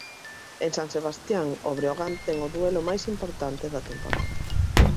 En San Sebastián o Breogán ten o duelo máis importante da temporada.